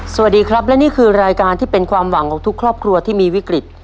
สวัสดีครับและนี่คือรายการที่เป็นความหวังของทุกครอบครัวที่มีวิกฤต